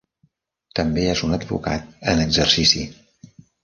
També és un advocat en exercici.